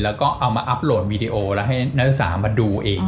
แล้วก็เอามาอัปโตร่นไวดีโอแล้วให้นัสสามมาดูเอง